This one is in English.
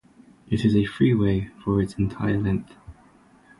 It is a freeway for its entire length.